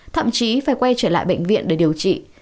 thậm chí phải quay trở lại bệnh viện để điều trị